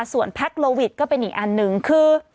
ส่วนแพ็คโลวิทก็เป็นอีกอันหนึ่งคือ